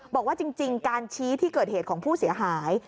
บอกว่าจริงการชี้ที่เกิดเหตุของผู้เสียหาย